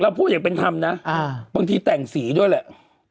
พูดอย่างเป็นธรรมนะบางทีแต่งสีด้วยแหละ